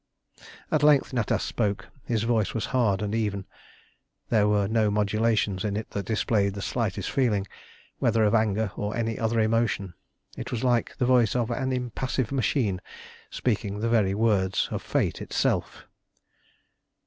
At length Natas spoke; his voice was hard and even; there were no modulations in it that displayed the slightest feeling, whether of anger or any other emotion. It was like the voice of an impassive machine speaking the very words of Fate itself.